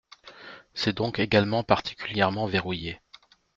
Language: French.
C’est donc également particulièrement verrouillé.